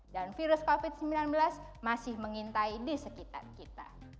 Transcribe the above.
dan virus covid sembilan belas masih mengintai di sekitar kita